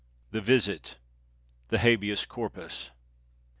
THE VISIT.—THE HABEAS CORPUS.